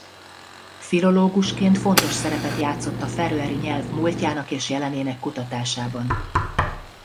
Filológusként fontos szerepet játszott a feröeri nyelv múltjának és jelenének kutatásában.